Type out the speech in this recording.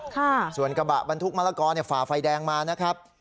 ค่ะส่วนกระบะบรรทุกมะละกอเนี่ยฝ่าไฟแดงมานะครับ